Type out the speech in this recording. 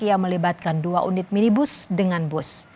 yang melibatkan dua unit minibus dengan bus